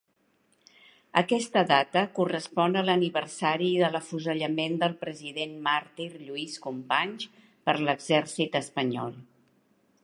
Aquesta data correspon a l'aniversari de l'afusellament del president màrtir Lluís Companys per l'exèrcit espanyol.